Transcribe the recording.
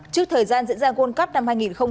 trước thời gian diễn ra world cup năm hai nghìn hai mươi